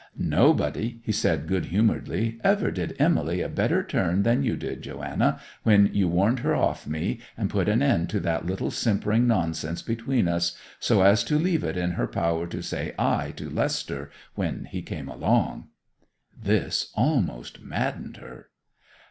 'Nobody,' he said good humouredly, 'ever did Emily a better turn than you did, Joanna, when you warned her off me and put an end to that little simpering nonsense between us, so as to leave it in her power to say "Aye" to Lester when he came along.' This almost maddened her.